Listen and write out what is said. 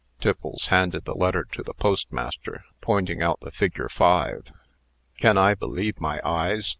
Tiffles handed the letter to the postmaster, pointing out the figure 5. "Can I believe my eyes?"